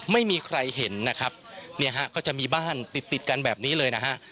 ไม่มีใครเห็นนะครับเนี่ยฮะก็จะมีบ้านติดติดกันแบบนี้เลยนะฮะ